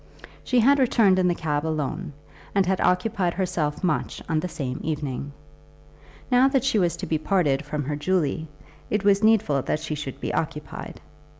She had returned in the cab alone, and had occupied herself much on the same evening. Now that she was to be parted from her Julie, it was needful that she should be occupied.